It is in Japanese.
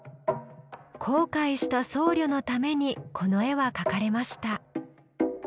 後悔した僧侶のためにこの絵は描かれました。